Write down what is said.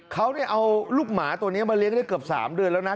เขาเอาลูกหมาตัวนี้มาเลี้ยงได้เกือบ๓เดือนแล้วนะ